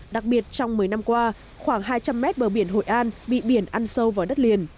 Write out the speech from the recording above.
đặc biệt trong một mươi năm qua khoảng hai trăm linh mét bờ biển hội an bị biển ăn sâu vào đất liền